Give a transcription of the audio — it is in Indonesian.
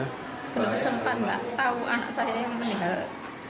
belum sempat nggak tahu anak saya yang meninggal